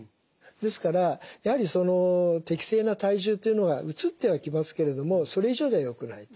ですからやはり適正な体重というのが移ってはきますけれどもそれ以上ではよくないと。